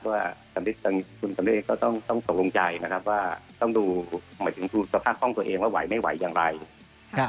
ว่าคุณสำริดก็ต้องต้องส่งลงใจนะครับว่าต้องดูสภาพข้องตัวเองว่าไหวไม่ไหวอย่างไรนะครับ